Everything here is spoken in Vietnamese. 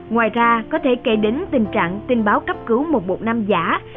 ngoài ra có thể kể đến tình trạng tin báo cấp cứu một một năm giả